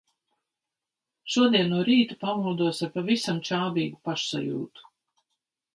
Šodien no rīta pamodos ar pavisam čābīgu pašsajūtu.